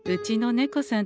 猫さん？